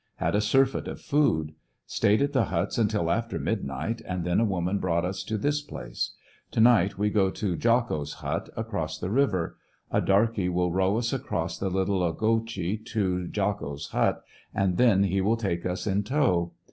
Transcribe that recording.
Had a surfeit of food. Stayed at the huts until after midnight, and then a woman brought us to this place. To night we go to Jocko's hut, across the river. A darky will row us across the Little Ogechee to Jocco's hut, and then he will take us in tow.